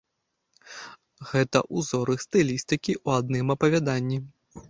Гэта ўзоры стылістыкі ў адным апавяданні.